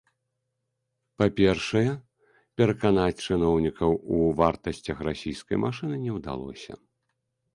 Па-першае, пераканаць чыноўнікаў у вартасцях расійскай машыны не ўдалося.